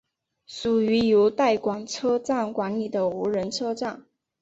属于由带广车站管理的无人车站。